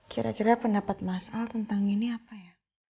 kira kira pendapat mas al tentang ini apa ya